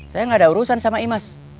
saya nggak ada urusan sama imas